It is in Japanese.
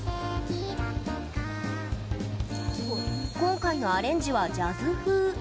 今回のアレンジはジャズ風。